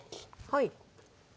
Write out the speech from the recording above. はい。